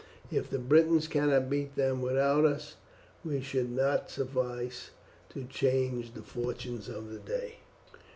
If the Britons cannot beat them without us, we should not suffice to change the fortunes of the day."